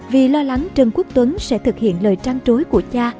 vì lo lắng trần quốc tuấn sẽ thực hiện lời trăn trối của cha